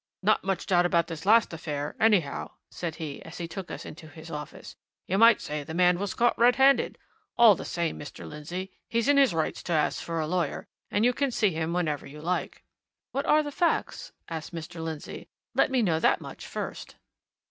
"Not much doubt about this last affair, anyhow," said he, as he took us into his office. "You might say the man was caught red handed! All the same, Mr. Lindsey, he's in his rights to ask for a lawyer, and you can see him whenever you like." "What are the facts?" asked Mr. Lindsey. "Let me know that much first."